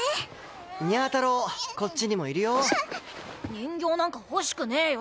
人形なんか欲しくねえよ。